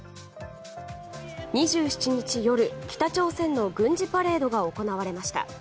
２７日夜、北朝鮮の軍事パレードが行われました。